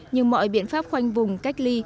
nhưng mọi biện pháp khoanh vùng cách ly